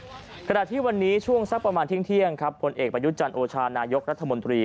สำหรับที่วันนี้ช่วงสักประมาณที่เที่ยงผลเอกปะยุจจันโอชานายกรัฐมนตรี